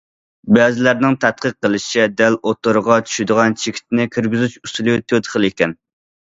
بەزىلەرنىڭ تەتقىق قىلىشىچە، دەل ئوتتۇرىغا چۈشىدىغان چېكىتنى كىرگۈزۈش ئۇسۇلى تۆت خىل ئىكەن.